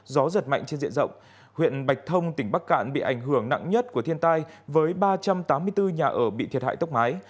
gió giật mạnh trên diện rộng huyện bạch thông tỉnh bắc cạn bị ảnh hưởng nặng nhất của thiên tai với ba trăm tám mươi bốn nhà ở bị thiệt hại tốc mái